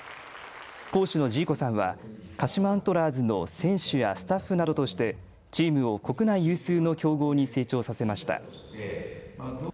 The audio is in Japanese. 講師のジーコさんは鹿島アントラーズの選手やスタッフなどとしてチームを国内有数の強豪に成長させました。